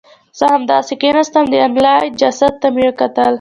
زه همداسې کېناستم او د انیلا جسد ته مې کتل